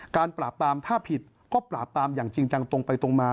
ปราบปรามถ้าผิดก็ปราบปรามอย่างจริงจังตรงไปตรงมา